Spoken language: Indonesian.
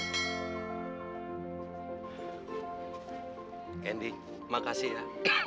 candy makasih ya